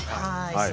はい。